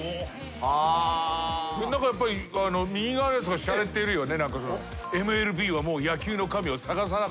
何かやっぱり右側のやつがしゃれてるよね。